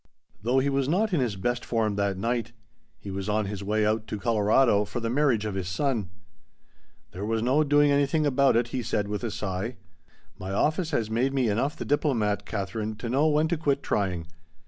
Though he was not in his best form that night. He was on his way out to Colorado for the marriage of his son. "There was no doing anything about it," he said with a sigh. "My office has made me enough the diplomat, Katherine, to know when to quit trying.